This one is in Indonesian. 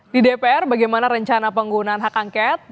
di dpr bagaimana rencana penggunaan hak angket